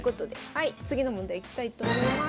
はい次の問題いきたいと思います。